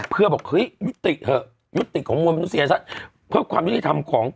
เพื่อบอกวิติเหอะวิติของมนุษย์เพื่อความยุติธรรมของ